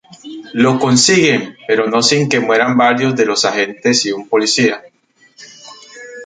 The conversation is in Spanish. Lo consiguen, pero no sin que mueran varios de los agentes y un policía.